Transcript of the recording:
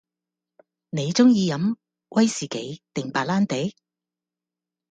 你鐘意飲威士忌定白蘭地？